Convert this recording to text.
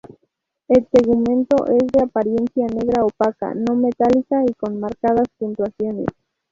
El tegumento es de apariencia negra opaca, no metálica y con marcadas puntuaciones.